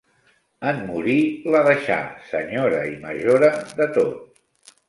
En morir la deixà senyora i majora de tot.